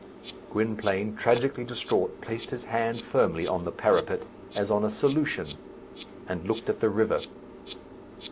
Gwynplaine, tragically distraught, placed his hand firmly on the parapet, as on a solution, and looked at the river.